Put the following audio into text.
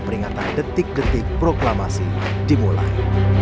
peringatan detik detik proklamasi dimulai